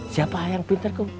siapa yang pinter kum